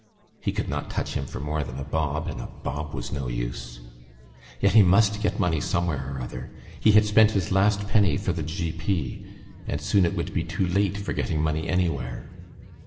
He could not touch him for more than a bob—and a bob was no use. Yet he must get money somewhere or other: he had spent his last penny for the g.p. and soon it would be too late for getting money anywhere.